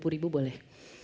dua puluh ribu boleh